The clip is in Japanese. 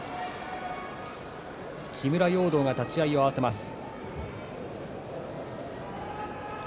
木村容堂が立ち合いを合わせます。